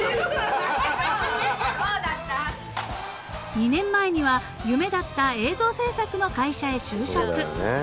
［２年前には夢だった映像制作の会社へ就職］